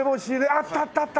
あったあったあった。